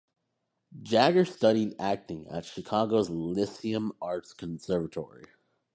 Jagger studied acting at Chicago's Lyceum Arts Conservatory.